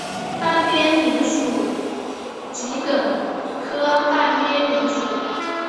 半边莲属桔梗科半边莲属。